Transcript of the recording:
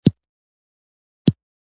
د لیمو پوستکی د عطر لپاره وکاروئ